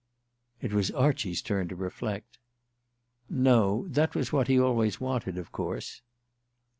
It was Archie's turn to reflect. "No. That was what he always wanted, of course."